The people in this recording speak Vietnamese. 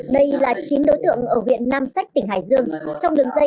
đây là chín đối tượng ở huyện nam sách tỉnh hải dương